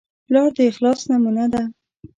پلار د اخلاص نمونه ده.